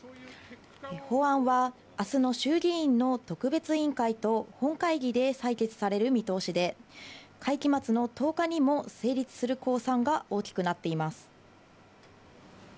法案はあすの衆議院の特別委員会と本会議で採決される見通しで、会期末の１０日にも成立する公算が大きくなっています。